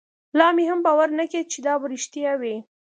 لا مې هم باور نه کېده چې دا به رښتيا وي.